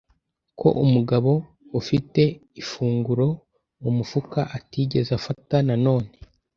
Ko umugabo ufite ifunguroumufuka atigeze afata noneho